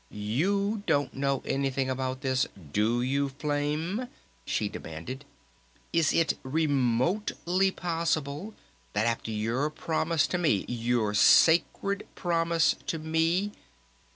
"You don't know anything about this, do you, Flame?" she demanded. "Is it remotely possible that after your promise to me, your sacred promise to me